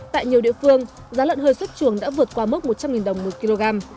tại nhiều địa phương giá lợn hơi xuất trường đã vượt qua mốc một trăm linh đồng một kg